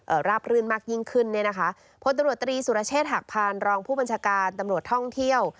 ราบรื่นมากยิ่งขึ้นเนี่ยนะคะพลตำรวจตรีสุรเชษฐหักพานรองผู้บัญชาการตำรวจท่องเที่ยว